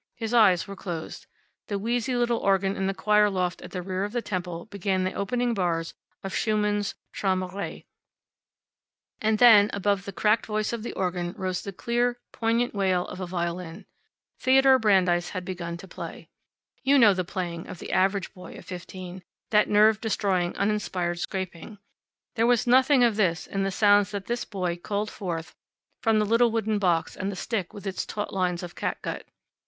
His eyes were closed. The wheezy little organ in the choir loft at the rear of the temple began the opening bars of Schumann's Traumerei. And then, above the cracked voice of the organ, rose the clear, poignant wail of a violin. Theodore Brandeis had begun to play. You know the playing of the average boy of fifteen that nerve destroying, uninspired scraping. There was nothing of this in the sounds that this boy called forth from the little wooden box and the stick with its taut lines of catgut.